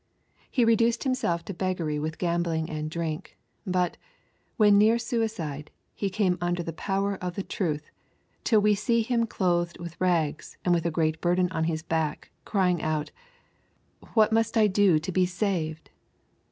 He reduced himself to beggary with gambling and drink, but, when near suicide, he came under the power of the truth, till we see him clothed with rags and with a great burden on his back, crying out, 'What must I do to be saved?'